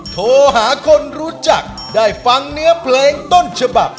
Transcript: โทรหาคนรู้จักได้ฟังเนื้อเพลงต้นฉบับ